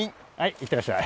いってらっしゃい。